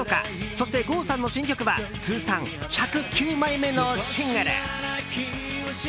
そして、郷さんの新曲は通算１０９枚目のシングル。